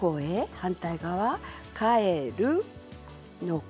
反対側「帰るのか」。